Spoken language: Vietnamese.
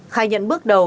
khai nhận bước đầu